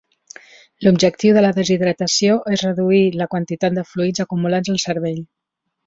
L'objectiu de la deshidratació és reduir la quantitat de fluids acumulats al cervell.